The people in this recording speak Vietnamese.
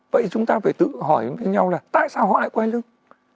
vậy chúng ta phải tự hỏi với nhau là tại sao họ lại quay lưng